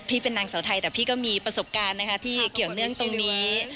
เป็นนางสาวไทยแต่พี่ก็มีประสบการณ์นะคะที่เกี่ยวเนื่องตรงนี้